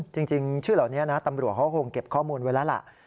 จริงชื่อเหล่านี้นะตำรวจเขาคงเก็บข้อมูลไว้แล้วล่ะ